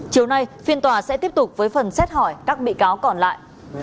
chiều nay phiên tòa sẽ tiếp tục với phần xét hỏi các bị cáo còn lại